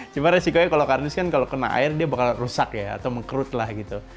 cuma resikonya kalau kardus kan kalau kena air dia bakal rusak ya atau mengkerut lah gitu